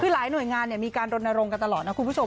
หลายหน่วยงานเนี่ยมีการรนรงก์กันตลอดนะคุณผู้ชม